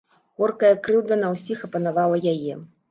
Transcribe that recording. Горкая крыўда на ўсіх апанавала яе.